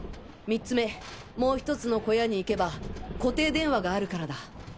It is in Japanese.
３つ目もうひとつの小屋に行けば固定電話があるからだ。